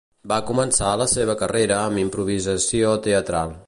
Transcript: Va començar la seva carrera amb Improvisació teatral.